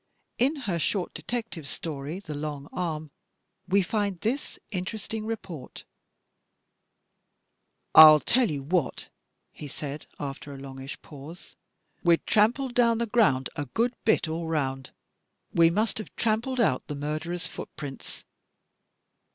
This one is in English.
In her short detective story, "The Long Arm," we find this interesting report: IITM I'll tell you what," he said, after a longish pause, "we'd trampled down the ground a good bit all round; we must have trampled out the murderer's footprints."